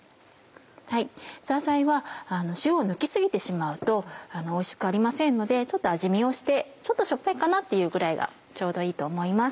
ザーサイは塩を抜き過ぎてしまうとおいしくありませんのでちょっと味見をしてちょっとしょっぱいかなっていうぐらいがちょうどいいと思います。